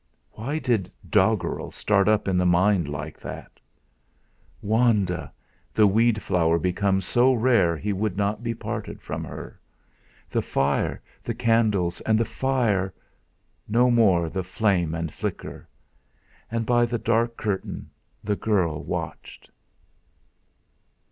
Why did doggerel start up in the mind like that? Wanda! The weed flower become so rare he would not be parted from her! The fire, the candles, and the fire no more the flame and flicker! And, by the dark curtain, the girl watched.